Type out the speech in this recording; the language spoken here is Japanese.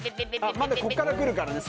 まだここからくるからね。